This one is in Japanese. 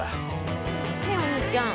ねえお兄ちゃん。